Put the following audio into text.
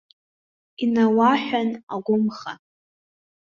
Инауаҳәан, агәымха.